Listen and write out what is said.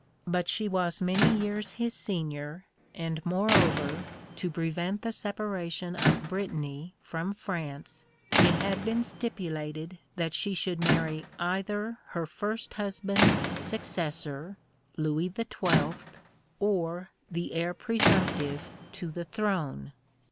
but she was many years his senior, and, moreover, to prevent the separation of Brittany from France, it had been stipulated that she should marry either her first husband's successor (Louis XII.) or the heir presumptive to the throne.